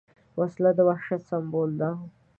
وسله د وحشت سمبول ده